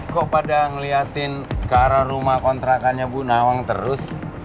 kok pada ngeliatin ke arah rumah kontrakannya bu nawang terus